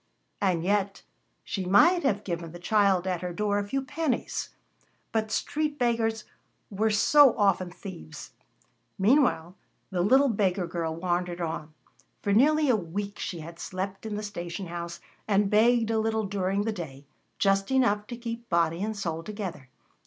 And yet she might have given the child at her door a few pennies. But street beggars were so often thieves! Meanwhile the little beggar girl wandered on. For nearly a week she had slept in the station house and begged a little during the day, just enough to keep body and soul together.